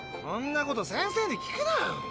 そんなこと先生に聞くなよ。